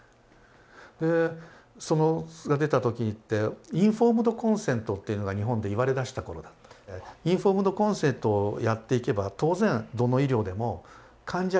でそれが出た時って「インフォームドコンセント」っていうのが日本で言われだした頃だったのでインフォームドコンセントをやっていけば当然どの医療でも患者中心っていうこと。